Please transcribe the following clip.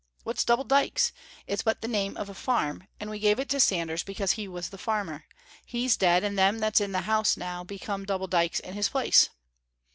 What's Double Dykes? It's but the name of a farm, and we gave it to Sanders because he was the farmer. He's dead, and them that's in the house now become Double Dykes in his place."